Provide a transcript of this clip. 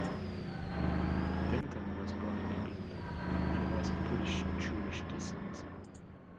Denton was born in England and was of Polish Jewish descent.